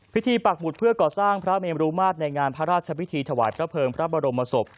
ปักหมุดเพื่อก่อสร้างพระเมรุมาตรในงานพระราชพิธีถวายพระเภิงพระบรมศพ